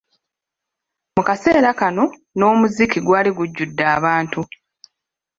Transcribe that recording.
Mu kaseera kano n'omuziki gwali gujjudde abantu.